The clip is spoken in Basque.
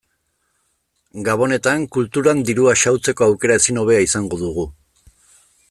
Gabonetan kulturan dirua xahutzeko aukera ezin hobea izango dugu.